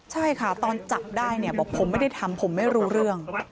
ใช่ค่ะตอนจับได้เนี่ยบอกผมไม่ได้ทำผมไม่รู้เรื่อง